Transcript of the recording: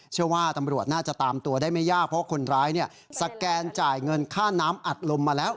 เชื่อว่าตำรวจน่าจะตามตัวได้ไม่ยากเพราะคนร้ายสแกนจ่ายเงินค่าน้ำอัดลมมาแล้ว